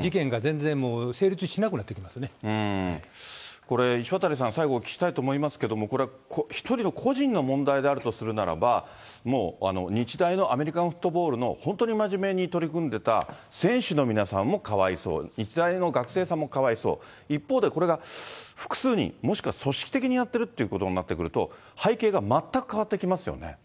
事件が全然、これ、石渡さん、最後、お聞きしたいと思いますけど、個人の問題であるとするならば、もう日大のアメリカンフットボールの本当に真面目に取り組んでた選手の皆さんもかわいそう、日大の学生さんもかわいそう、一方でこれが複数人、もしくは組織的にやってるってことになってくると、背景が全く変わってきますよね。